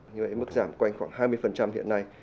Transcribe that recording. như vậy mức giảm quanh khoảng hai mươi hiện nay